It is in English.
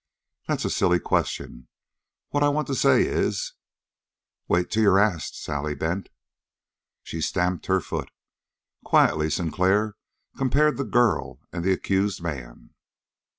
"That's a silly question. What I want to say is " "Wait till you're asked, Sally Bent." She stamped her foot. Quietly Sinclair compared the girl and the accused man.